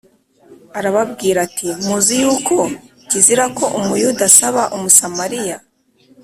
arababwira ati Muzi yuko kizira ko Umuyuda asaba umusamaliya